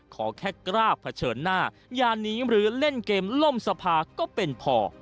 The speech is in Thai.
ขอแค่กล้าเผชิญหน้าอย่าหนีหรือเล่นเกมล่มสภาก็เป็นพอ